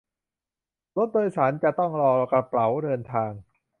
รถโดยสารจะต้องรอกระเป๋าเดินทาง